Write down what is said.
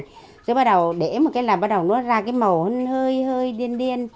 xong rồi bắt đầu để một cái là bắt đầu nó ra cái màu hơi hơi đen đen